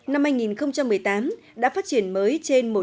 năm hai nghìn một mươi tám đã phát triển mới trên